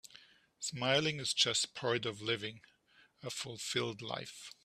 Smiling is just part of living a fulfilled life.